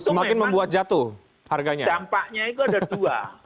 itu memang dampaknya itu ada dua